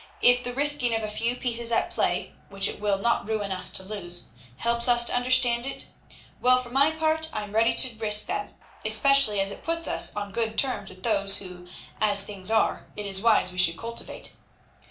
If the risking of a few pieces at play, which it will not ruin us to lose, helps us to understand it, well, for my part I am ready to risk them, especially as it puts us on good terms with those who, as things are, it is wise we should cultivate.